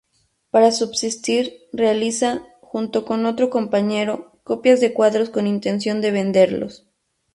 Para subsistir realiza, junto con otro compañero, copias de cuadros con intención de venderlos.